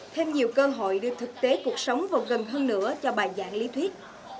thêm nhiều cơ hội đưa thực tế cuộc sống vào gần hơn nữa cho bài giảng lý thuyết